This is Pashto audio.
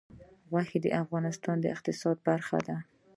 غوښې د افغانستان د اقتصاد برخه ده.